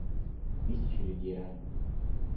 Тысячи людей ранены.